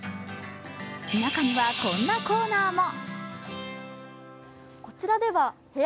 中には、こんなコーナーも。